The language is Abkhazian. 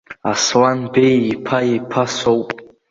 Асланбеи иԥа-иԥа соуп.